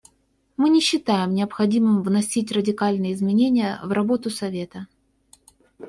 Мы не считаем необходимым вносить радикальные изменения в работу Совета.